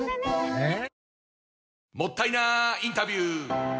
えっ？